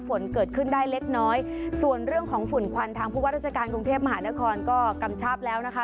ฝนเกิดขึ้นได้เล็กน้อยส่วนเรื่องของฝุ่นควันทางผู้ว่าราชการกรุงเทพมหานครก็กำชับแล้วนะคะ